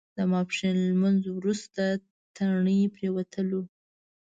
د ماسپښین لمونځ وروسته تڼۍ پرېوتلو.